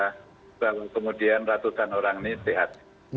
bahwa kemudian ratusan orang ini sehat